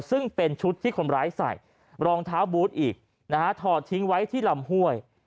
ซึ่งเป็นชุดที่คนร้ายใส่รองเท้าบูธอีกนะฮะถอดทิ้งไว้ที่ลำห้วย